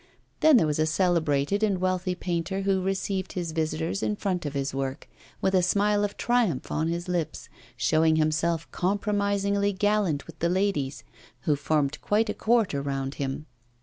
Then there was a celebrated and wealthy painter who received his visitors in front of his work with a smile of triumph on his lips, showing himself compromisingly gallant with the ladies, who formed quite a court around him.